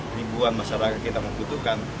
ini bukan masyarakat kita membutuhkan